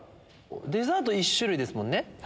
デザート１種類ですもんね。